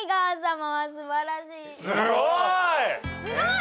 すごい！